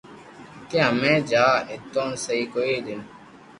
ڪي ھمجي جا نيتوڻ سھي ڪوئي نن